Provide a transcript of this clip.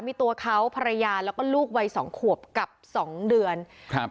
มีตัวเขาภรรยาแล้วก็ลูกวัยสองขวบกับสองเดือนครับ